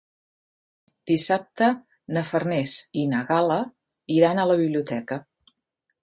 Dissabte na Farners i na Gal·la iran a la biblioteca.